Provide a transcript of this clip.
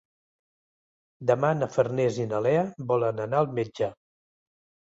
Demà na Farners i na Lea volen anar al metge.